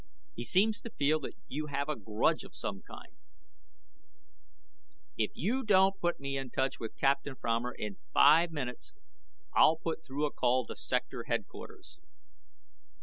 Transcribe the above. He seems to feel that you have a grudge of some kind " "If you don't put me in touch with Captain Fromer in five minutes, I'll put through a call to Sector Headquarters."